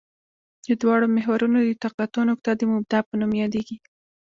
د دواړو محورونو د تقاطع نقطه د مبدا په نوم یادیږي